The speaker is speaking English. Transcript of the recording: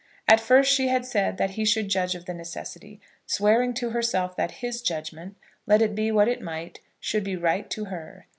At first she had said that he should judge of the necessity; swearing to herself that his judgment, let it be what it might, should be right to her.